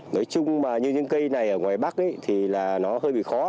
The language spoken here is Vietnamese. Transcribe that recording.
nói chung mà như những cây này ở ngoài bắc thì là nó hơi bị khó